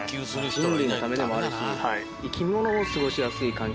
人類のためでもあるし生き物も過ごしやすい環境。